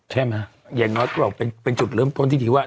ใช่ไหมอย่างน้อยก็บอกเป็นจุดเริ่มต้นที่ดีว่า